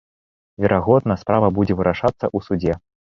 Верагодна, справа будзе вырашацца ў судзе.